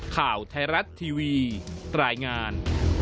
ข่าวไทยรัฐทีวีรายงาน